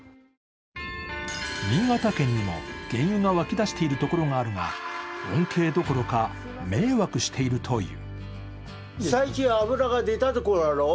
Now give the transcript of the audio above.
新潟県にも原油が湧き出しているところがあるが恩恵どころか、迷惑しているという。